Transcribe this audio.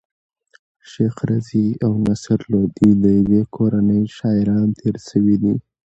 شېخ رضي او نصر لودي د ېوې کورنۍ شاعران تېر سوي دي.